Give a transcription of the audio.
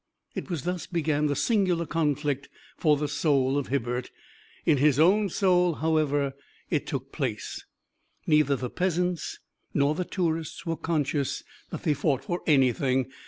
It was thus began the singular conflict for the soul of Hibbert. In his own soul, however, it took place. Neither the peasants nor the tourists were conscious that they fought for anything.